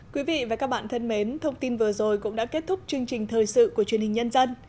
quý vị và các bạn thân mến thông tin vừa rồi cũng đã kết thúc chương trình thời sự của truyền hình nhân dân